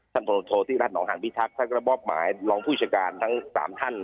ครับมโถที่เราหาพิทัพไตรธรรมบร้อยลองผู้วิทยาการทั้งต่างท่านนะครับ